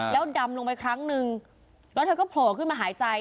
แล้วดำลงไปครั้งนึงแล้วเธอก็โผล่ขึ้นมาหายใจ